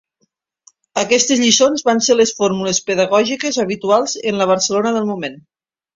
Aquestes lliçons van ser les fórmules pedagògiques habituals en la Barcelona del moment.